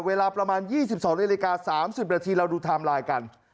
เวลาประมาณ๒๒นาฬิกา๓๐นาทีเราดูไทม์ไลน์กัน